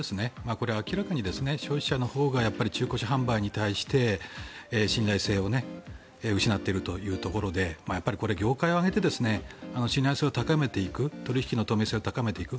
これは明らかに消費者のほうが中古車販売に対して信頼性を失っているというところでこれは業界を挙げて信頼性を高めていく取引の透明性を高めていく。